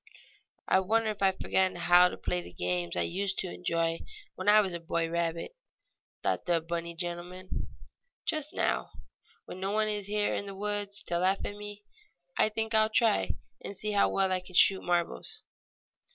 "I wonder if I have forgotten how to play the games I used to enjoy when I was a boy rabbit?" thought the bunny gentleman. "Just now, when no one is here in tile woods to laugh at me, I think I'll try and see how well I can shoot marbles."